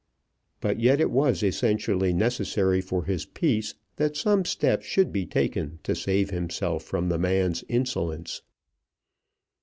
But yet it was essentially necessary for his peace that some step should be taken to save himself from the man's insolence.